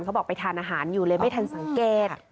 เขาบอกไปทานอาหารอยู่เลยไม่ทันสังเกต